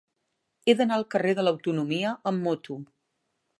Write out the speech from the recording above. He d'anar al carrer de l'Autonomia amb moto.